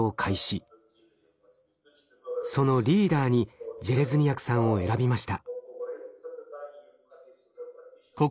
そのリーダーにジェレズニヤクさんを選びました。